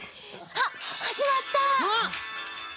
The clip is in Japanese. あっはじまった！